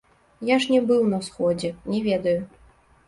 Я ж не быў на сходзе, не ведаю.